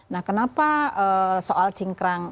nah kenapa soal cingkran